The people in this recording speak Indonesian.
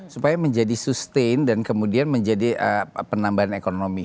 supaya menjadi sustain dan kemudian menjadi penambahan ekonomi